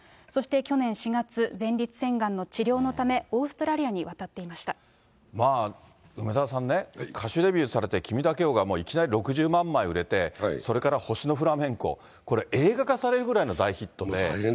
そして去年４月、前立腺がんの治療のため、オーストラリアに渡っ梅沢さんね、歌手デビューされて、君だけをがもういきなり６０万枚売れて、それから星のフラメンコ、これ、映画化されるぐらいの大ヒットで。